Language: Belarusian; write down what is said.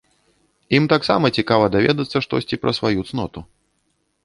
Ім таксама цікава даведацца штосьці пра сваю цноту.